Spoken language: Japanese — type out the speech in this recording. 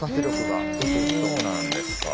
そうなんですか。